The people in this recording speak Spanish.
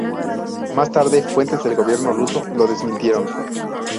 Más tarde, fuentes del gobierno luso lo desmintieron.